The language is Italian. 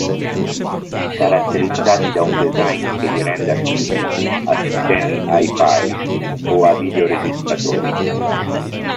Caratterizzati da un design che li renda simili a sistemi hi-fi o a videoregistratori.